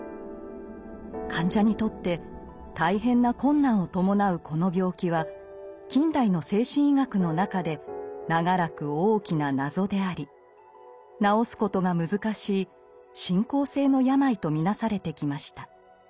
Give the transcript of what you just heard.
患者にとって大変な困難を伴うこの病気は近代の精神医学の中で長らく大きな謎であり治すことが難しい進行性の病と見なされてきました。